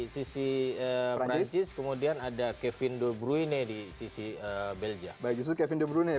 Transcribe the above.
sisi prancis kemudian ada kevin de bruyne di sisi belja baik justru kevin de bruyne ya